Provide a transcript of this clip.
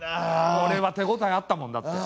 これは手ごたえあったもんだって。